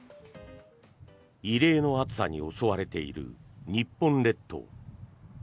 異例の暑さに襲われている日本列島。